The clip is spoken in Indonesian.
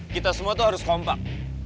kita semua itu harus kompak